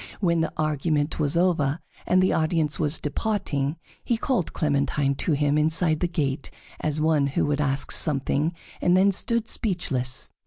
When the argument was over and the audience was departing, he called Clementine to him inside the gate as one who would ask something, and then stood speechless.